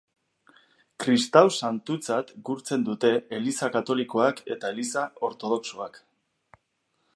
Kristau santutzat gurtzen dute Eliza Katolikoak eta Eliza Ortodoxoak.